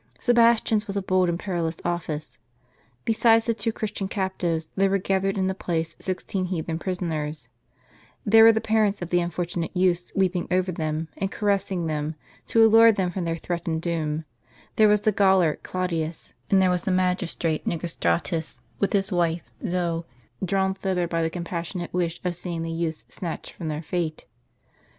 Sebastian's was a bold and perilous office. Besides the two Christian captives, there were gath ered in the place sixteen heathen prisoners; there were the parents of the unfortunate youths weeping over them, and caressing them, to allure them from their threatened doom ; there was the gaoler, Clau dius, and there was the magistrate, NiCOStratUS, with his wife, Zoe, Samt SebasUan, from the "Roma Sotteranea" drawn thither by the compassion ate wish of seeing the youths snatched from their fate.